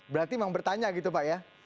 berarti memang bertanya gitu pak ya